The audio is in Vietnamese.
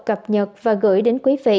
cập nhật và gửi đến quý vị